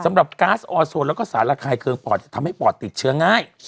ก๊าซออโซนแล้วก็สารระคายเคืองปอดจะทำให้ปอดติดเชื้อง่าย